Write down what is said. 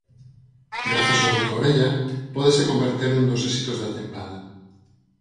Grazas ao boca-orella, pódese converter nun dos éxitos da tempada.